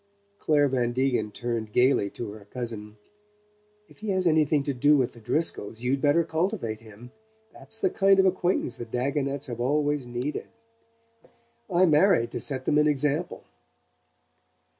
Clare Van Degen turned gaily to her cousin. "If he has anything to do with the Driscolls you'd better cultivate him! That's the kind of acquaintance the Dagonets have always needed. I married to set them an example!"